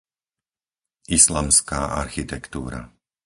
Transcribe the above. islamská architektúra